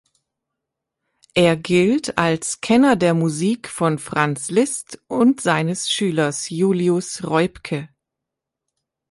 Er gilt als Kenner der Musik von Franz Liszt und seines Schülers Julius Reubke.